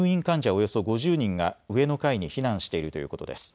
およそ５０人が上の階に避難しているということです。